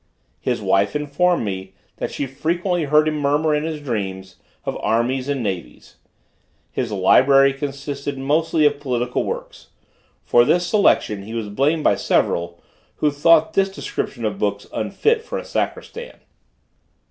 His wife informed me, that she frequently heard him murmur in his dreams, of armies and navies. His library consisted mostly of political works; for this selection he was blamed by several, who thought this description of books unfit for a sacristan.